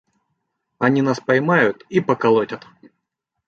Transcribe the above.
– Они нас поймают и поколотят.